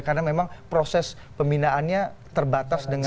karena memang proses pembinaannya terbatas dengan